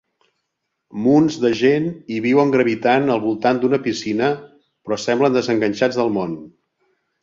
Munts de gent hi viuen gravitant al voltant d'una piscina però semblen desenganxats del món.